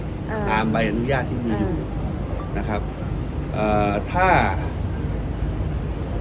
คือสามารถจำหน่ายเพิ่งดื่มแอลกอฮอล์ได้จนถึง๔จังหวัด